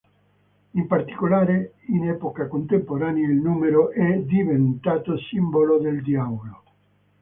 In particolare, in epoca contemporanea, il numero è diventato simbolo del Diavolo.